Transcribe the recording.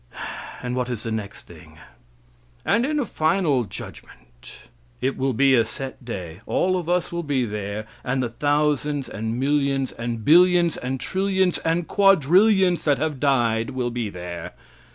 And what is the next thing? "And in a final judgment." It will be a set day. All of us will be there, and the thousands, and millions, and billions, and trillions, and quadrillions that have died will be there.